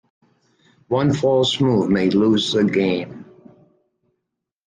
One false move may lose the game.